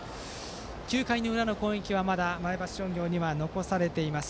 ９回の裏の攻撃はまだ前橋商業に残されています。